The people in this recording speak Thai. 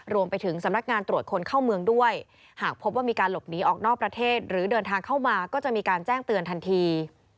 รวมไปถึงสำนักงานตรวจคนเข้าเมืองด้วยหากพบว่ามีการหลบหนีออกนอกประเทศหรือเดินทางเข้ามาก็จะมีการแจ้งเตือนทันที